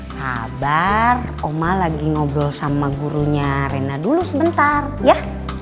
sabar oma lagi ngobrol sama gurunya rena dulu sebentar ya